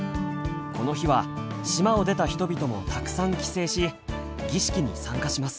この日は島を出た人々もたくさん帰省し儀式に参加します。